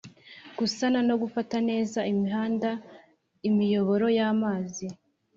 gusana no gufata neza imihanda, imiyoboro y'amazi.